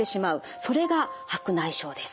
それが白内障です。